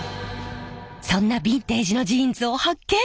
そんなビンテージのジーンズを発見！